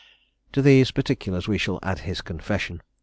To these particulars we shall add his confession.